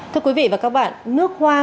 thưa quý vị và các bạn nước hoa